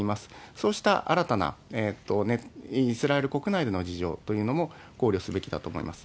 そうした新たなイスラエル国内での事情というのも考慮すべきだと思います。